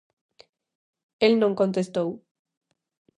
El non contestou.